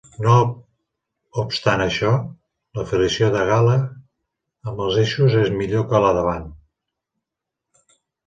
No obstant això, l'afiliació de Gala amb els eixos és millor que la de Vahn.